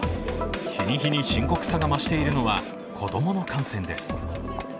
日に日に深刻さが増しているのは、子供の感染です。